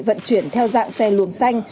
vận chuyển theo dạng xe luồng xanh